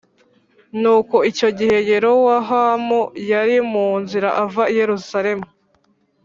Nuko icyo gihe Yerobowamu yari mu nzira ava i Yerusalemu